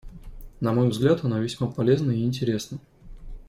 На мой взгляд, она весьма полезна и интересна.